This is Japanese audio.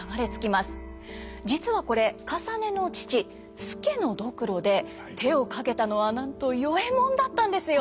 実はこれかさねの父助の髑髏で手をかけたのはなんと与右衛門だったんですよ。